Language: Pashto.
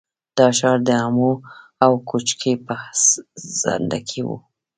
دا ښار د امو او کوکچې په څنډه کې و